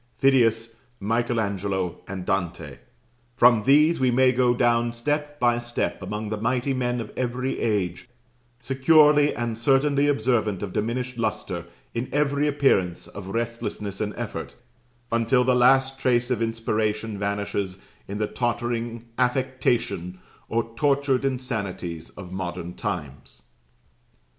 Phidias, Michael Angelo, and Dante, from these we may go down step by step among the mighty men of every age, securely and certainly observant of diminished lustre in every appearance of restlessness and effort, until the last trace of inspiration vanishes in the tottering affectation or tortured insanities of modern times."